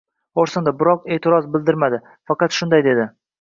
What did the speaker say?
xo‘rsindi, biroq e’tiroz bildirmadi. Faqat shunday dedi: